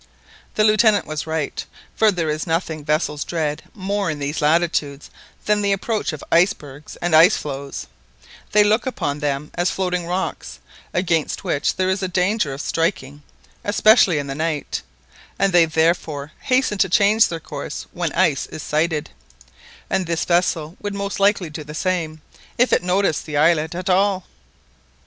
The Lieutenant was right, for there is nothing vessels dread more in these latitudes than the approach of icebergs and ice floes; they look upon them as floating rocks, against which there is a danger of striking, especially in the night, and they therefore hasten to change their course when ice is sighted; and this vessel would most likely do the same, if it noticed the islet at all.